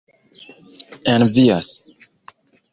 envias